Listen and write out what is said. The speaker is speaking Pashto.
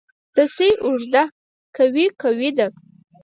رسۍ اوږده که وي، قوي ده.